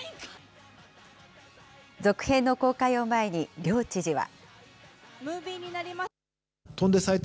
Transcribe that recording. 続編の公開を前に、両知事は。